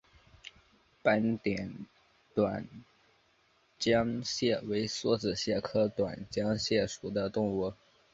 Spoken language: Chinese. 斑点短浆蟹为梭子蟹科短浆蟹属的动物。